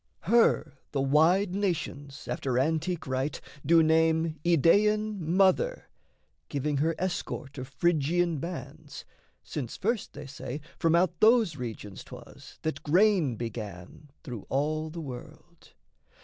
Her the wide nations, after antique rite, Do name Idaean Mother, giving her Escort of Phrygian bands, since first, they say, From out those regions 'twas that grain began Through all the world.